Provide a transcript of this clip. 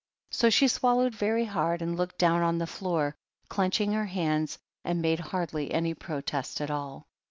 '* So she swallowed very hard, and looked down on the floor, clenching her hands, and made hardly any protest at all.